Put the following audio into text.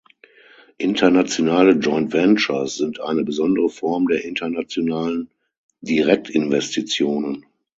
Internationale Joint Ventures sind eine besondere Form der internationalen Direktinvestitionen.